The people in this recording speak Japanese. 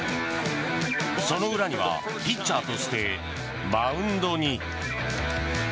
その裏にはピッチャーとしてマウンドに。